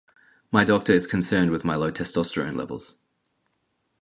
My doctor is concerned with my low testosterone levels.